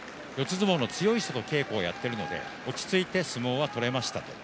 相撲の強い人と稽古をやっているので落ち着いて相撲が取れました。